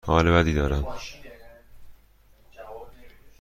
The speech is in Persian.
حال بدی دارم.